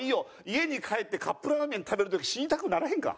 家に帰ってカップラーメン食べる時死にたくならへんか？